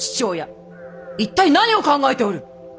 一体何を考えておる！